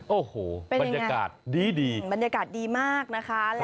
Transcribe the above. โอ้โหบรรยากาศดีบรรยากาศดีมากนะคะ